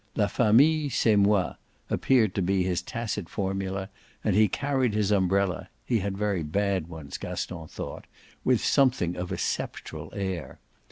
"La famille c'est moi" appeared to be his tacit formula, and he carried his umbrella he had very bad ones, Gaston thought with something of a sceptral air.